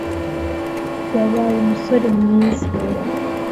yabaye umusore mwiza